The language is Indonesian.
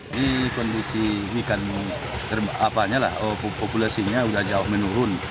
ini kondisi ikan populasinya sudah jauh menurun